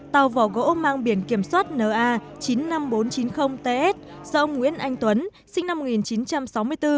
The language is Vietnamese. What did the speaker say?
tàu vỏ gỗ mang biển kiểm soát na chín mươi năm nghìn bốn trăm chín mươi ts do ông nguyễn anh tuấn sinh năm một nghìn chín trăm sáu mươi bốn